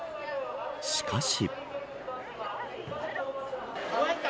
しかし。